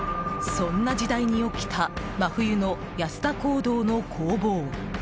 そんな時代に起きた真冬の安田講堂の攻防。